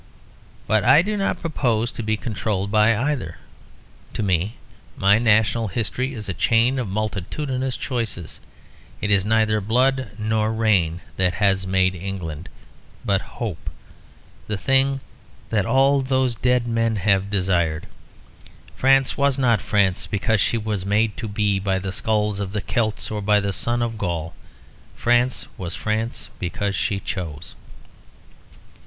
But I do not propose to be controlled by either; to me my national history is a chain of multitudinous choices. It is neither blood nor rain that has made England, but hope, the thing that all those dead men have desired. France was not France because she was made to be by the skulls of the Celts or by the sun of Gaul. France was France because she chose.